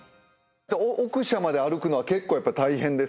奥社まで歩くのは結構やっぱ大変ですか？